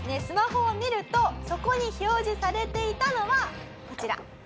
スマホを見るとそこに表示されていたのはこちら。